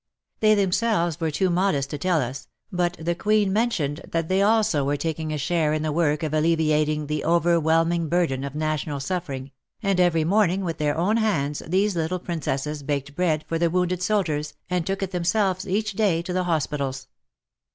They themselves were too modest to tell us, but the Queen mentioned that they also were taking a share in the work of alleviating the overwhelming burden of national suffering, and every morning with their own hands these little Princesses baked bread for the wounded soldiers and took it themselves each day to the hospitals.